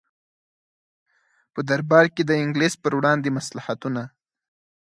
په دربار کې د انګلیس پر وړاندې مصلحتونه.